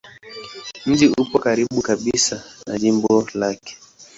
Mji upo karibu kabisa na jimbo lake.